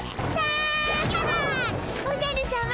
おじゃるさま